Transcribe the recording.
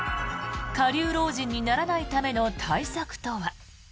下流老人にならないための対策とは。